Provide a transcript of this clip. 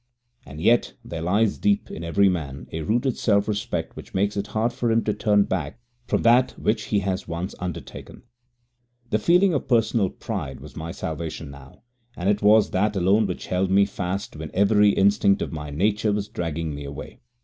And yet there lies deep in every man a rooted self respect which makes it hard for him to turn back from that which he has once undertaken. This feeling of personal pride was my salvation now, and it was that alone which held me fast when every instinct of my nature was dragging me away.